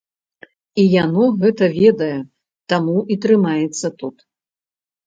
І яно гэта ведае, таму і трымаецца тут.